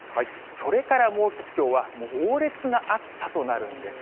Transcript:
それからもう一つ、きょうは猛烈な暑さとなるんです。